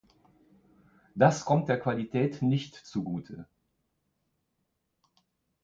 Das kommt der Qualität nicht zugute.